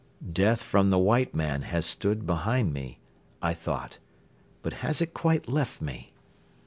"'Death from the white man' has stood behind me," I thought; "but has it quite left me?"